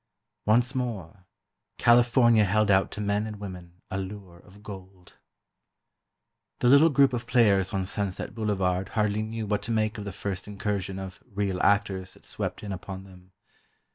Once more, California held out to men and women a lure of gold. The little group of players on Sunset Boulevard hardly knew what to make of the first incursion of "real actors" that swept in upon them.